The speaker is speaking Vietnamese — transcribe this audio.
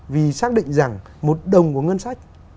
vì xác định rằng một đồng của ngân sách